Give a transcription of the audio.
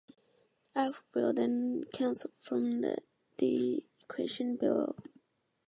F will then cancel from the equation below.